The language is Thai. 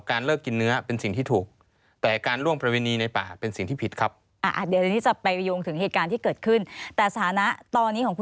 การเลิกกินเนื้อเป็นสิ่งที่ถูก